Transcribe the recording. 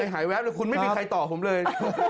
หายแวบเลยคุณไม่มีใครต่อผมเลย